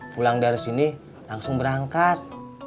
pulang dari sini langsung berangkat